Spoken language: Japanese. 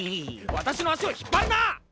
わたしの足を引っ張るな！